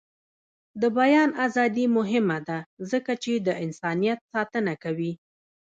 د بیان ازادي مهمه ده ځکه چې د انسانیت ساتنه کوي.